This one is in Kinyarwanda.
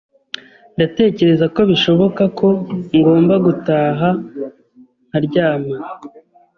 Ndatekereza ko bishoboka ko ngomba gutaha nkaryama.